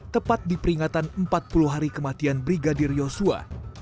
tepat diperingatan empat puluh hari kematian brigadir yosua